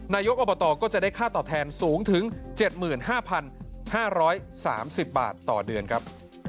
นายกอบตก็จะได้ค่าตอบแทนสูงถึง๗๕๕๓๐บาทต่อเดือนครับ